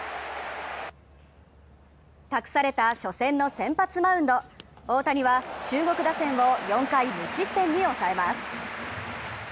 託された初戦の先発マウンド、大谷は中国打線を４回無失点に抑えます。